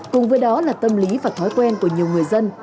cùng với đó là tâm lý và thói quen của nhiều người dân